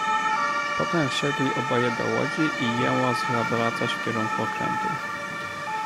"Potem wsiedli oboje do łodzi i jęła zawracać w kierunku okrętu."